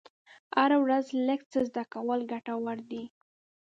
هره ورځ لږ څه زده کول ګټور دي.